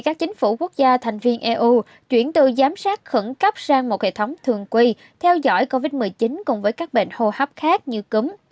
các chính phủ quốc gia thành viên eu chuyển từ giám sát khẩn cấp sang một hệ thống thường quy theo dõi covid một mươi chín cùng với các bệnh hô hấp khác như cúng